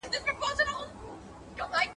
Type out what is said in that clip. د بل پر کور سل مېلمانه هيڅ نه دي.